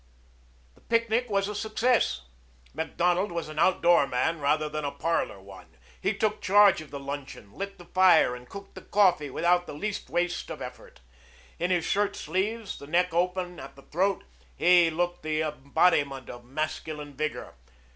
The picnic was a success. Macdonald was an outdoor man rather than a parlor one. He took charge of the luncheon, lit the fire, and cooked the coffee without the least waste of effort. In his shirt sleeves, the neck open at the throat, he looked the embodiment of masculine vigor.